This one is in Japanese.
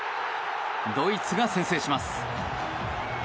ドイツが先制します。